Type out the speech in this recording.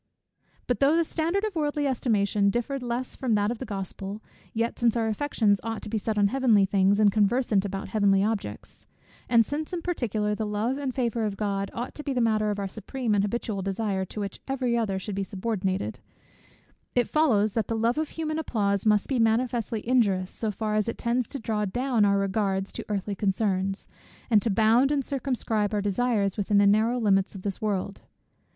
But though the standard of worldly estimation differed less from that of the Gospel; yet since our affections ought to be set on heavenly things, and conversant about heavenly objects; and since in particular the love and favour of God ought to be the matter of our supreme and habitual desire, to which every other should be subordinated; it follows, that the love of human applause must be manifestly injurious, so far as it tends to draw down our regards to earthly concerns, and to bound and circumscribe our desires within the narrow limits of this world.